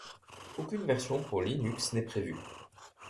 Aucune version pour Linux n'est prévue.